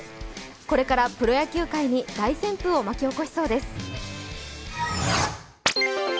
これからプロ野球界に大旋風を巻き起こしそうです。